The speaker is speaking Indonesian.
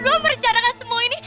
kami berdua merencanakan semua ini